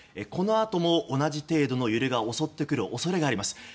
このあとも同じ程度の揺れが襲ってくる恐れがあります。